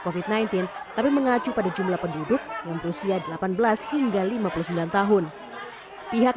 covid sembilan belas tapi mengacu pada jumlah penduduk yang berusia delapan belas hingga lima puluh sembilan tahun pihak